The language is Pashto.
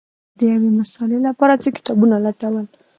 د یوې مسألې لپاره څو کتابونه لټول